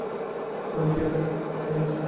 আমি গিয়ে তাকে এক পলক দেখে আসি।